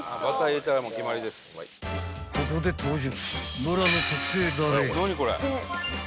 ［ここで登場］